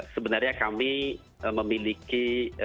sebenarnya kami memiliki